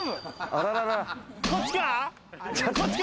こっちか。